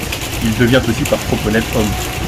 Il devient aussi par trop honnête homme.